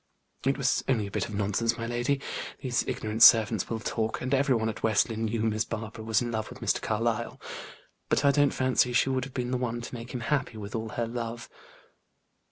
"It was only a bit of nonsense, my lady. These ignorant servants will talk; and every one at West Lynne knew Miss Barbara was in love with Mr. Carlyle. But I don't fancy she would have been the one to make him happy with all her love."